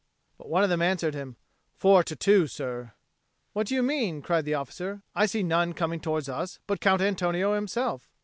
But one of them answered, "Four to two, sir." "What do you mean?" cried the officer. "I see none coming towards us but Count Antonio himself."